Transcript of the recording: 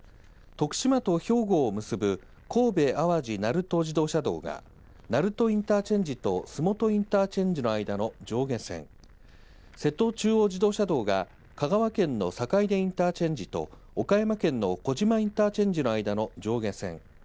徳島と兵庫を結ぶ神戸淡路鳴門自動車道が鳴門インターチェンジと洲本インターチェンジの間の上下線、瀬戸中央自動車道が香川県の坂出インターチェンジと岡山県の児島インターチェンジの間の上下線。